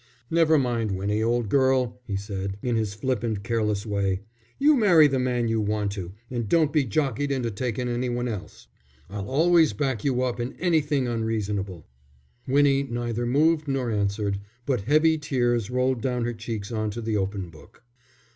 "Never mind, Winnie, old girl," he said, in his flippant, careless way, "you marry the man you want to, and don't be jockeyed into takin' any one else. I'll always back you up in anything unreasonable." Winnie neither moved nor answered, but heavy tears rolled down her cheeks on to the open book.